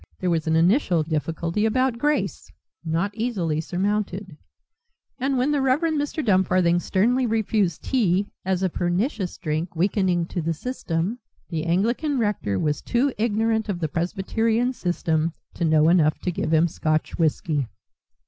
There was an initial difficulty about grace, not easily surmounted. And when the Rev. Mr. Dumfarthing sternly refused tea as a pernicious drink weakening to the system, the Anglican rector was too ignorant of the presbyterian system to know enough to give him Scotch whiskey.